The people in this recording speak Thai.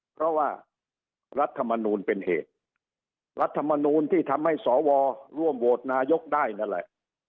เพราะว่ารัฐมนูลเป็นเหตุรัฐมนูลที่ทำให้สวร่วมโหวตนายกได้นั่นแหละ